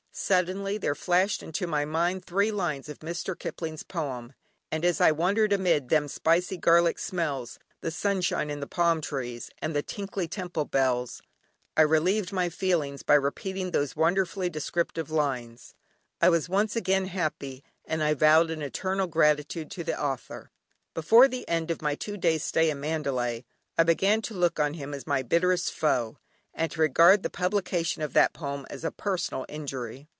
Suddenly there flashed into my mind three lines of Mr. Kipling's poem, and as I wandered amid "them spicy garlic smells, the sunshine and the palm trees and the tinkly temple bells," I relieved my feelings by repeating those wonderfully descriptive lines; I was once again happy, and I vowed an eternal gratitude to the author. Before the end of my two days stay in Mandalay I began to look on him as my bitterest foe, and to regard the publication of that poem as a personal injury.